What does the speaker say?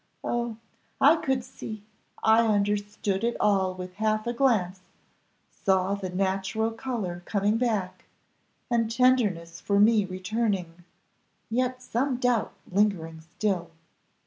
Oh! I could see I understood it all with half a glance saw the natural colour coming back, and tenderness for me returning yet some doubt lingering still.